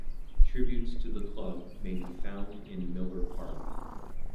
Tributes to the club may be found in Miller Park.